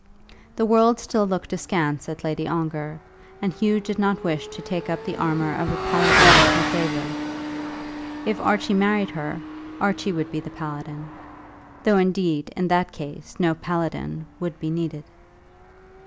The world still looked askance at Lady Ongar, and Hugh did not wish to take up the armour of a paladin in her favour. If Archie married her, Archie would be the paladin; though, indeed, in that case, no paladin would be needed.